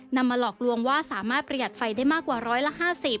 มาหลอกลวงว่าสามารถประหยัดไฟได้มากกว่าร้อยละ๕๐